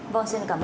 vâng xin cảm ơn chị